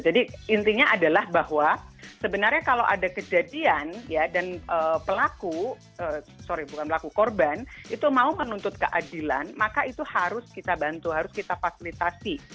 jadi intinya adalah bahwa sebenarnya kalau ada kejadian ya dan pelaku sorry bukan pelaku korban itu mau menuntut keadilan maka itu harus kita bantu harus kita fasilitasi